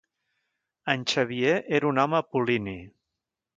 En Xavier era un home apol·lini.